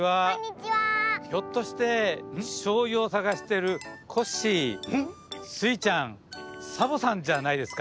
ひょっとしてしょうゆをさがしてるコッシースイちゃんサボさんじゃないですか？